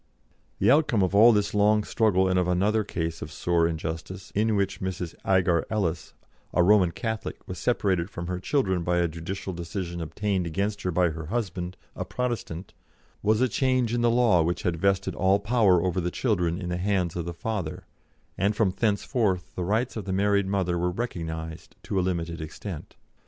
The outcome of all this long struggle and of another case of sore injustice in which Mrs. Agar Ellis, a Roman Catholic, was separated from her children by a judicial decision obtained against her by her husband, a Protestant was a change in the law which had vested all power over the children in the hands of the father, and from thenceforth the rights of the married mother were recognised to a limited extent.